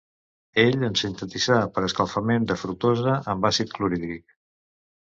Ell en sintetitzà per escalfament de fructosa amb àcid clorhídric.